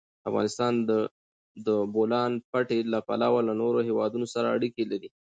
افغانستان د د بولان پټي له پلوه له نورو هېوادونو سره اړیکې لري.